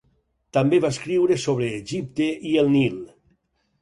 També va escriure sobre Egipte i el Nil.